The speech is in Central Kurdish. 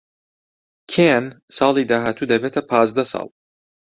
کێن ساڵی داهاتوو دەبێتە پازدە ساڵ.